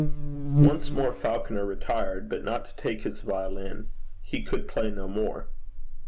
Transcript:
Once more Falconer retired, but not to take his violin. He could play no more.